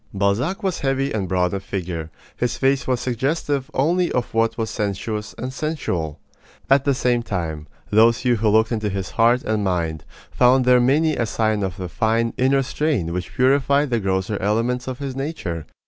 Balzac was heavy and broad of figure. His face was suggestive only of what was sensuous and sensual. At the same time, those few who looked into his heart and mind found there many a sign of the fine inner strain which purified the grosser elements of his nature.